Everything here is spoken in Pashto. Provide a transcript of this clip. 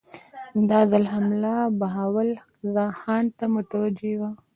دا ځل حمله بهاول خان ته متوجه وه.